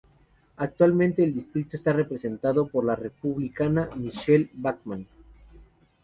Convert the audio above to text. Actualmente el distrito está representado por la Republicana Michele Bachmann.